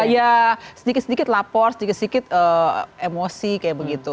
ya sedikit sedikit lapor sedikit sedikit emosi kayak begitu